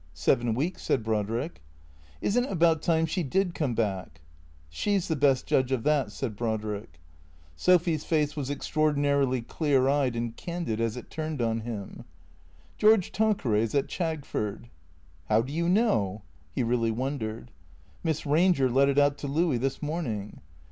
" Seven weeks," said Brodrick. " Is n't it about time she did come back ?"" She 's the best judge of that," said Brodrick. Sophy's face was extraordinarily clear eyed and candid as it turned on him. " George Tanqueray 's at Chagford." "How do you know?" (He really wondered.) " Miss Eanger let it out to Louis this morning."